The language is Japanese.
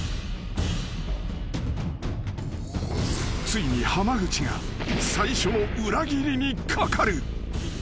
［ついに濱口が最初の裏切りにかかる］